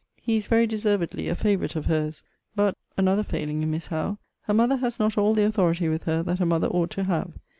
He is very deservedly a favourite of her's. But [another failing in Miss Howe] her mother has not all the authority with her that a mother ought to have.